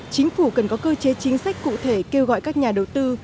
chính phủ cần có cơ chế chính sách cụ thể kêu gọi các nhà đầu tư